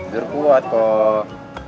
biar kuat kok